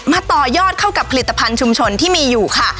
ต่อยอดเข้ากับผลิตภัณฑ์ชุมชนที่มีอยู่ค่ะ